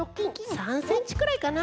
３センチくらいかな。